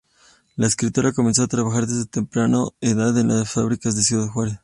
La escritora comenzó a trabajar desde temprana edad en las fábricas de Ciudad Juárez.